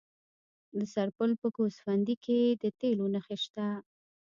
د سرپل په ګوسفندي کې د تیلو نښې شته.